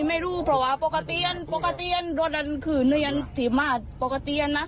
มาธุระค่ะมาอำเภอ